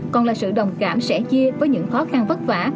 còn là sự đồng cảm sẻ chia với những khó khăn vất vả